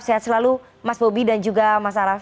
sehat selalu mas bobi dan juga mas araf